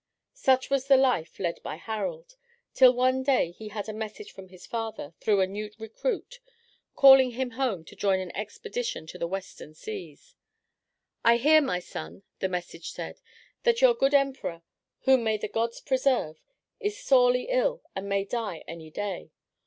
Such was the life led by Harald, till one day he had a message from his father, through a new recruit, calling him home to join an expedition to the western seas. "I hear, my son," the message said, "that your good emperor, whom may the gods preserve, is sorely ill and may die any day.